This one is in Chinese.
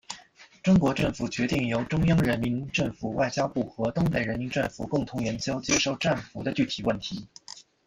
中国政府决定由中央人民政府外交部和东北人民政府共同研究接受战俘的具体问题。